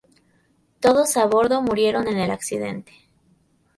Todos a bordo murieron en el accidente.